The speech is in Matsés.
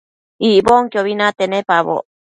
Icbonquiobi nate nepaboc